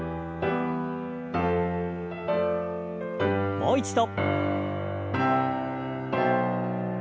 もう一度。